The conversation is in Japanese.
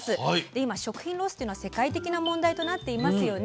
今、食品ロスというのは世界的な問題になっていますよね。